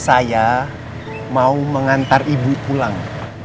saya mau mengantar ibu pulang